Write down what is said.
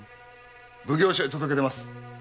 奉行所へ届け出ます！